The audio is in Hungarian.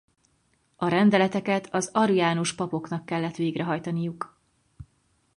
A rendeleteket az ariánus papoknak kellett végrehajtaniuk.